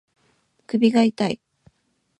首が痛い